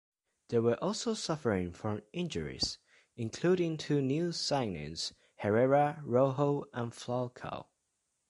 They were also suffering from injuries, including to new signings Herrera, Rojo and Falcao.